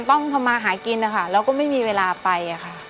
ทำไมไม่